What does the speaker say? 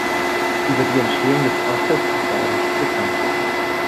Über die Entstehung des Ortes ist aber nichts bekannt.